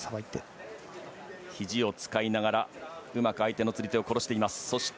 ひじを使いながらうまく相手の釣り手を殺しました。